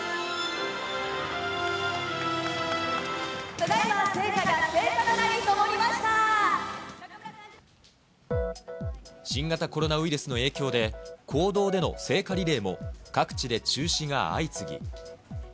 ただ今、新型コロナウイルスの影響で、公道での聖火リレーも各地で中止が相次ぎ。